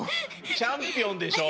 チャンピオンでしょ。